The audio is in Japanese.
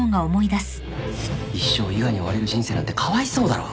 一生伊賀に追われる人生なんてかわいそうだろ